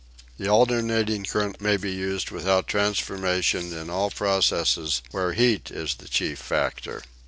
The alternating current may be used without transformation in all processes where heat is the chief factor.